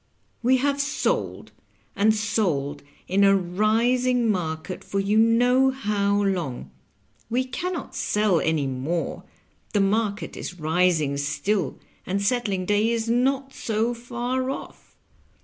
We have sold and sold in a rising market for you know how long ; we can not sell any more, the market is rising still, and settling day is not so far off.